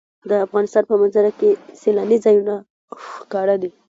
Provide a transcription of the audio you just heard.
د افغانستان په منظره کې سیلاني ځایونه ښکاره دي.